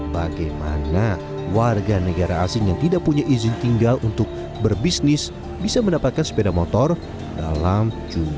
bagaimana warga negara asing yang tidak punya izin tinggal untuk berbisnis bisa mendapatkan sepeda motor dalam jumlah